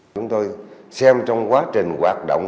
chúng tôi xem trong quá trình hoạt động